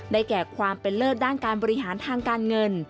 แก่ความเป็นเลิศด้านการบริหารทางการเงิน